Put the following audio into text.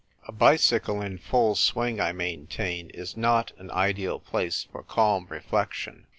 A bicycle in full swing, I maintain, is not an ideal place for calm reflection.